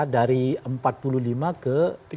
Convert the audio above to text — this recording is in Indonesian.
dari empat puluh lima ke tiga puluh